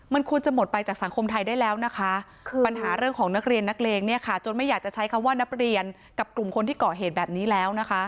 มันควรจะหมดไปจากสังคมไทยได้แล้วนะคะคือปัญหาเรื่องของนักเรียนนักเลงเนี่ยค่ะจนไม่อยากจะใช้คำว่านักเรียนกับกลุ่มคนที่เกาะเหตุแบบนี้แล้วนะคะ